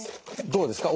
どうですか？